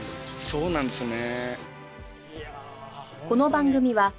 そうなんですね。